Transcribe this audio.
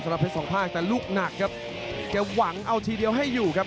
สำหรับเพชรสองภาคแต่ลุกหนักครับเกี่ยวหวังเอาทีเดียวให้อยู่ครับ